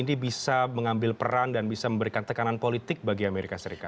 ini bisa mengambil peran dan bisa memberikan tekanan politik bagi amerika serikat